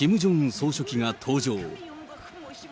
総書記が登場。